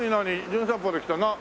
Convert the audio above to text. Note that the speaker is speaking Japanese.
『じゅん散歩』で来た。